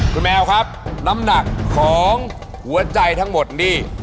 คุณแมวครับน้ำหนักของหัวใจทั้งหมดนี่